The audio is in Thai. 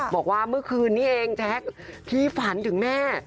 บอกว่าเมื่อคืนนี้เองแจ๊คพี่ฝันถึงแม่